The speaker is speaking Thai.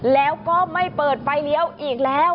แล้วก็ไม่เปิดไฟเลี้ยวอีกแล้ว